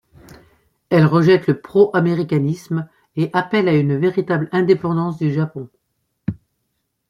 Elle rejette le pro-américanisme et appelle à une véritable indépendance du Japon.